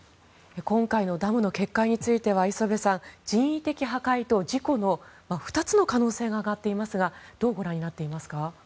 今回のダムの決壊については、磯部さん人為的破壊と事故の２つの可能性が挙がっていますがどうご覧になっていますか。